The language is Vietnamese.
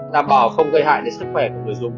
đảm bảo không gây hại đến sức khỏe của người dùng